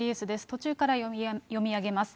途中から読み上げます。